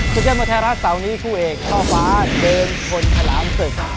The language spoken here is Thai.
สุดยอดมวลแทรศเสาร์นี้คู่เอกท่อฟ้าเดินทนถรามศึก